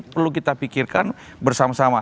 perlu kita pikirkan bersama sama